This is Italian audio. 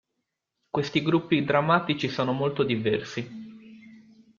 Questi gruppi drammatici sono molto diversi.